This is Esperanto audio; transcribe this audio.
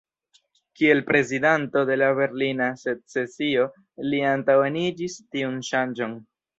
Kiel prezidanto de la Berlina secesio li antaŭenigis tiun ŝanĝon.